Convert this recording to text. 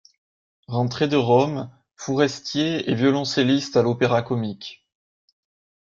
Rentré de Rome, Fourestier est violoncelliste à l'Opéra-Comique.